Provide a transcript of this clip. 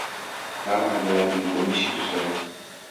Daarom hebben wij het in de commissie gesteund.